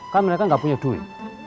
kan mereka nggak punya duit